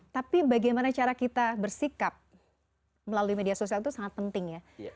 tapi bagaimana cara kita bersikap melalui media sosial itu sangat penting ya